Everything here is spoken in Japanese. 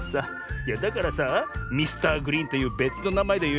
いやだからさミスターグリーンというべつのなまえでよ